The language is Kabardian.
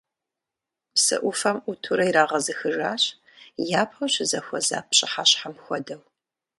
Псы Ӏуфэм Ӏутурэ ирагъэзыхыжащ, япэу щызэхуэза пщыхьэщхьэм хуэдэу.